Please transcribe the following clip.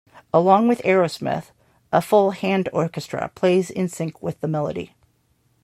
Along with Aerosmith, a full hand orchestra plays in sync with the melody.